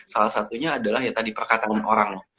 salah satunya adalah ya tadi perkataan orang